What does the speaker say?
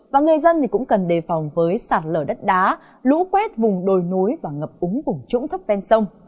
và người dân cũng cần đề phòng với sạt lở đất đá lũ quét vùng đồi núi và ngập úng vùng trũng thấp ven sông